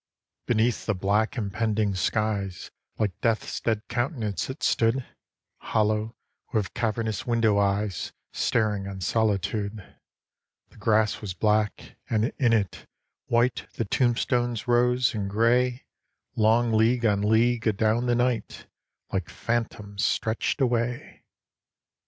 III Beneath the black, impending skies, Like Death's dead countenance it stood, Hollow, with cavernous window eyes Staring on solitude. The grass was black, and in it, white The tombstones rose; and gray, Long league on league, adown the night, Like phantoms, stretched away.